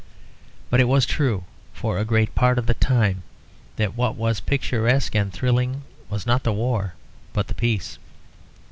But it was true for a great part of the time that what was picturesque and thrilling was not the war but the peace.